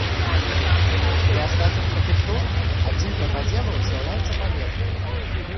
Для астатніх прэфектур адзінкай падзелу з'яўляецца павет.